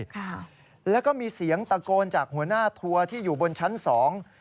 ค่ะแล้วก็มีเสียงตะโกนจากหัวหน้าทัวร์ที่อยู่บนชั้นสอง